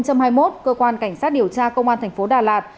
cơ quan cảnh sát điều tra công an tp đà lạt